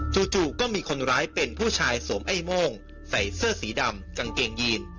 จู่ก็มีคนร้ายเป็นผู้ชายสวมไอ้โม่งใส่เสื้อสีดำกางเกงยีน